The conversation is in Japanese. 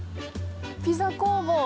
ピザ工房。